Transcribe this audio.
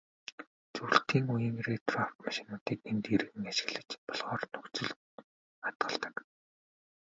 Зөвлөлтийн үеийн ретро автомашинуудыг энд эргэн ашиглаж болохоор нөхцөлд хадгалдаг.